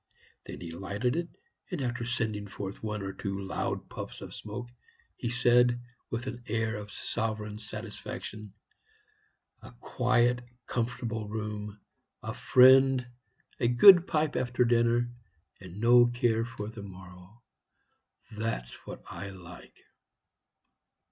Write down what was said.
Then he lighted it, and after sending forth one or two loud puffs of smoke, he said, with an air of sovereign satisfaction: "A quiet, comfortable room a friend a good pipe after dinner and no care for the morrow. That's what I like."